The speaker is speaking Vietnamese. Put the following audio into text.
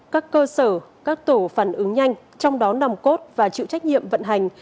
các cơ sở các tổ phản ứng nhanh trong đó nòng cốt và chịu trách nhiệm vận hành